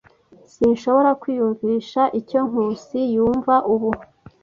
Sinshobora kwiyumvisha icyo Nkusi yumva ubu.